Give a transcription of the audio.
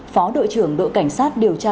phó đội trưởng đội cảnh sát điều tra